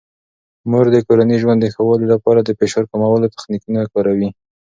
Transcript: مور د کورني ژوند د ښه والي لپاره د فشار کمولو تخنیکونه کاروي.